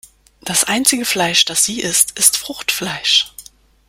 Das einzige Fleisch, das sie isst, ist Fruchtfleisch.